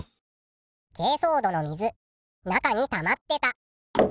けいそう土の水中にたまってた！